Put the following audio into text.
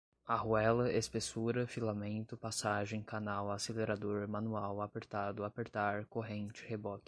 arruela, espessura, filamento, passagem, canal, acelerador, manual, apertado, apertar, corrente, reboque